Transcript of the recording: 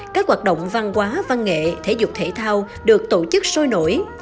các hoạt động văn hóa văn nghệ thể dục thể thao được tổ chức sôi nổi